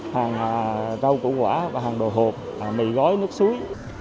hàng rau củ quả và hàng đồ hộp mì gói nước suối